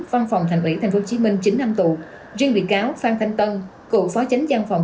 văn phòng thành ủy tp hcm chín năm tù riêng bị cáo phan thanh tân cựu phó chánh giang phòng